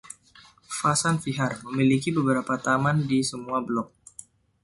Vasant Vihar memiliki beberapa taman di semua blok.